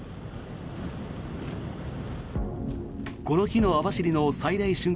この日の網走の最大瞬間